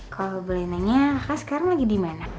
kalo boleh nanya kak sekarang lagi dimana